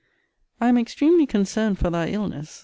I am extremely concerned for thy illness.